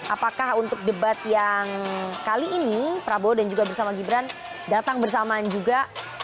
apakah untuk debat yang kali ini prabowo dan juga bersama gibran datang bersamaan juga